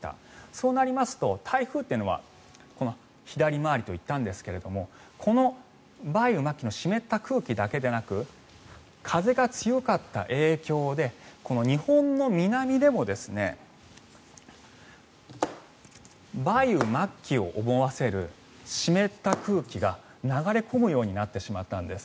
そうなりますと台風っていうのは左回りといったんですがこの梅雨末期の湿った空気だけでなく風が強かった影響で日本の南でも梅雨末期を思わせる湿った空気が流れ込むようになってしまったんです。